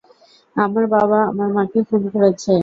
আমার বাবা আমার মাকে খুন করেছে।